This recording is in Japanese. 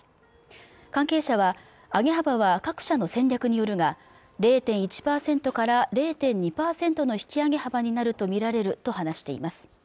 関係者は上げ幅は各社の戦略によるが０．１％から０．２％の引き上げ幅になるとみられると話しています